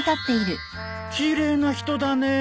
奇麗な人だねえ。